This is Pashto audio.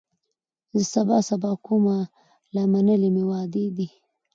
زه سبا سبا کومه لا منلي مي وعدې دي